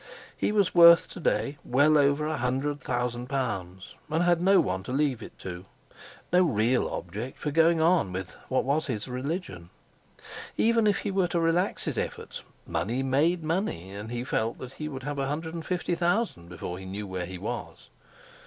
He was worth to day well over a hundred thousand pounds, and had no one to leave it to—no real object for going on with what was his religion. Even if he were to relax his efforts, money made money, and he felt that he would have a hundred and fifty thousand before he knew where he was.